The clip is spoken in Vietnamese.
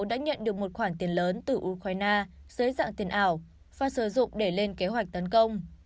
đã nhận được một khoản tiền lớn từ ukraine dưới dạng tiền ảo và sử dụng để lên kế hoạch tấn công